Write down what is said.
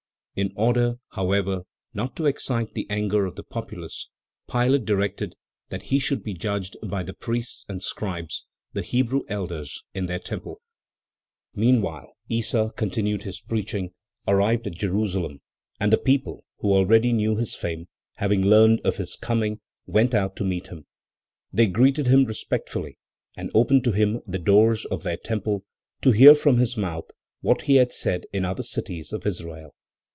In order, however, not to excite the anger of the populace, Pilate directed that he should be judged by the priests and scribes, the Hebrew elders, in their temple. 4. Meanwhile, Issa, continuing his preaching, arrived at Jerusalem, and the people, who already knew his fame, having learned of his coming, went out to meet him. 5. They greeted him respectfully and opened to him the doors of their temple, to hear from his mouth what he had said in other cities of Israel.